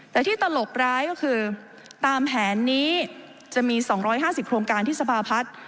แต่ที่ตลกร้ายก็คือตามแผนนี้จะมี๒๕๐โครงการที่สภาพัฒน์